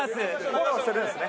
フォローするんですね。